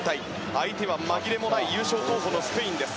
相手は紛れもない優勝候補のスペインです。